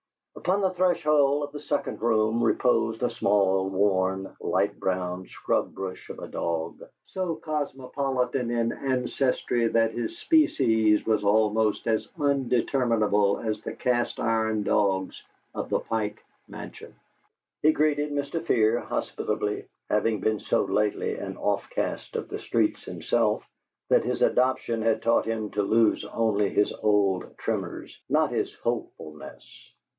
Upon the threshold of the second room reposed a small, worn, light brown scrub brush of a dog, so cosmopolitan in ancestry that his species was almost as undeterminable as the cast iron dogs of the Pike Mansion. He greeted Mr. Fear hospitably, having been so lately an offcast of the streets himself that his adoption had taught him to lose only his old tremors, not his hopefulness.